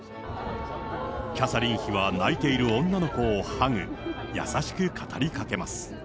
キャサリン妃は泣いている女の子をハグ、優しく語りかけます。